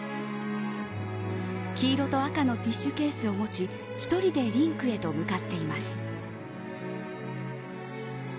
黄色と赤のティッシュケースを持ち１人でリンクへと向かっています。